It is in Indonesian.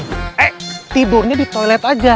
eh tidurnya di toilet aja